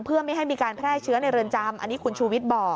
เพื่อไม่ให้มีการแพร่เชื้อในเรือนจำอันนี้คุณชูวิทย์บอก